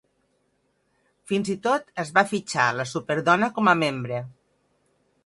Fins i tot es va fitxar la Superdona com a membre.